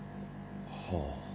はあ。